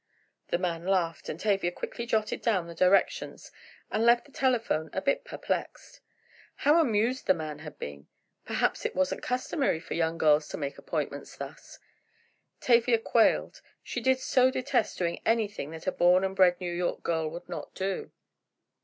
The man laughed, and Tavia quickly jotted down the directions and left the telephone a bit perplexed. How amused the man had been! Perhaps it wasn't customary for young girls to make appointments thus. Tavia quailed, she did so detest doing anything that a born and bred New York girl would not do.